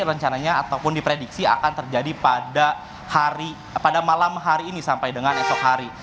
rencananya ataupun diprediksi akan terjadi pada malam hari ini sampai dengan esok hari